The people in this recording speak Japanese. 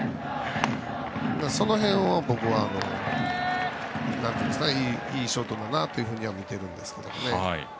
その辺を僕はいいショートだなと見ているんですけどね。